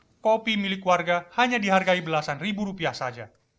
tapi kopi milik warga hanya dihargai belasan ribu rupiah saja